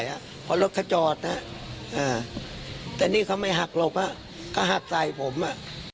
เพราะรถเขาจอดนะแต่นี่เขาไม่หักหลบก็หักใส่ผมอ่ะ